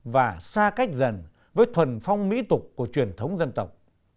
và xa cách dần với thuần phong mỹ tục của truyền thống dân tộc